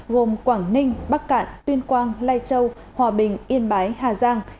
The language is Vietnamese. gồm quảng ninh bắc cạn tuyên quang lai châu hòa bình yên bái hà giang